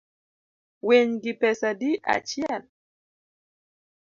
Winygi pesa adi achiel?